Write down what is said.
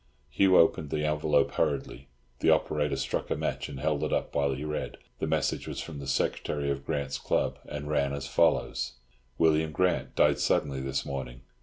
Hugh opened the envelope hurriedly. The operator struck a match and held it up while he read. The message was from the secretary of Grant's club, and ran as follows: "William Grant died suddenly this morning.